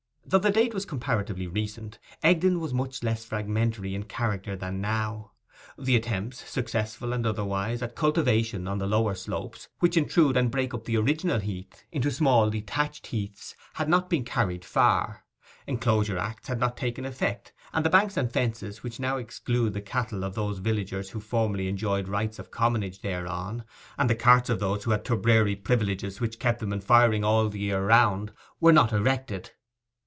Though the date was comparatively recent, Egdon was much less fragmentary in character than now. The attempts—successful and otherwise—at cultivation on the lower slopes, which intrude and break up the original heath into small detached heaths, had not been carried far; Enclosure Acts had not taken effect, and the banks and fences which now exclude the cattle of those villagers who formerly enjoyed rights of commonage thereon, and the carts of those who had turbary privileges which kept them in firing all the year round, were not erected.